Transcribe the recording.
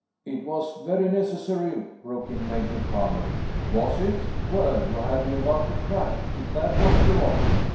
"It was very necessary," broke in Major Carmody. "Was it? Well, you had me about to crack if that was your object.